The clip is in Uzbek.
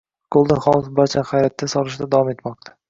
Golden House barchani hayratga solishda davom etmoqda